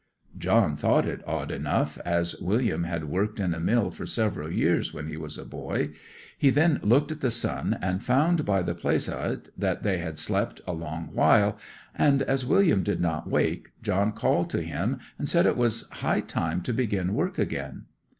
John thought it odd enough, as William had worked in a mill for several years when he was a boy. He then looked at the sun, and found by the place o't that they had slept a long while, and as William did not wake, John called to him and said it was high time to begin work again.